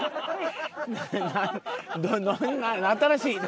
新しい何？